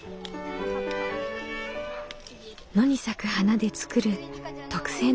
野に咲く花で作る特製のブーケです。